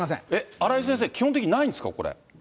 荒井先生、基本的にないんですか、これ。